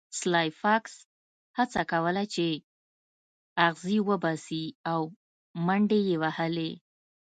سلای فاکس هڅه کوله چې اغزي وباسي او منډې یې وهلې